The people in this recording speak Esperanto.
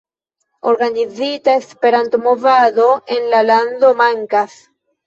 Organizita Esperanto-movado en la lando mankas.